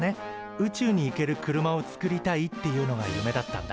宇宙に行ける車をつくりたいっていうのが夢だったんだ。